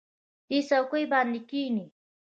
دې څوکۍ باندې کېنئ.